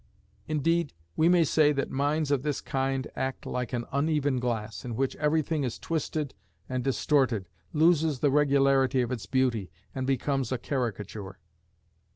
Indeed we may say that minds of this kind act like an uneven glass, in which everything is twisted and distorted, loses the regularity of its beauty, and becomes a caricature.